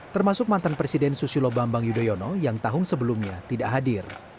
termasuk mantan presiden susilo bambang yudhoyono yang tahun sebelumnya tidak hadir